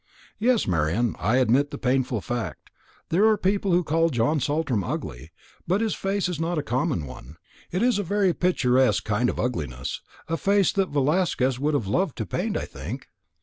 "Yes, Marian, I admit the painful fact. There are people who call John Saltram ugly. But his face is not a common one; it is a very picturesque kind of ugliness a face that Velasquez would have loved to paint, I think.